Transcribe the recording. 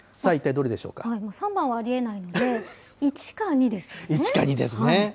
３番はありえないので、１か１か２ですね。